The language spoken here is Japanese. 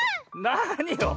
なによ？